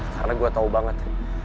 karena gue tau banget